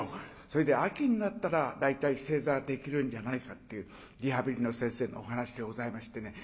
それで秋になったら大体正座できるんじゃないかっていうリハビリの先生のお話でございましてね